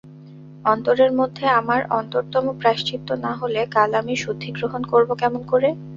অন্তরের মধ্যে আমার অন্তরতম প্রায়শ্চিত্ত না হলে কাল আমি শুদ্ধি গ্রহণ করব কেমন করে!